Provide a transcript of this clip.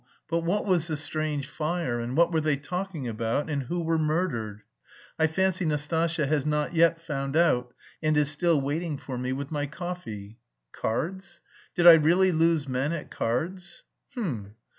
But what was the strange fire, and what were they talking about, and who were murdered? I fancy Nastasya has not found out yet and is still waiting for me with my coffee... cards? Did I really lose men at cards? H'm!